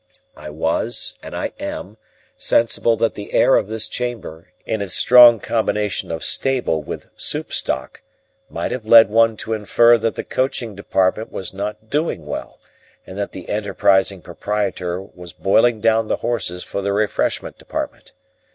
I was, and I am, sensible that the air of this chamber, in its strong combination of stable with soup stock, might have led one to infer that the coaching department was not doing well, and that the enterprising proprietor was boiling down the horses for the refreshment department.